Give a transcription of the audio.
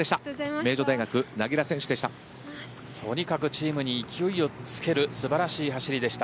名城大学、柳樂選手でした。